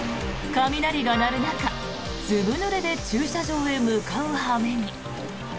雷が鳴る中、ずぶぬれで駐車場へ向かう羽目に。